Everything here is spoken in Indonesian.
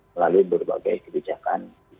melalui berbagai kebijakan